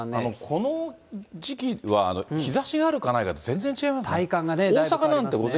この時期は、日ざしがあるかないかで全然違いますね。